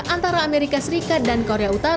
antara amerika serikat dan korea utara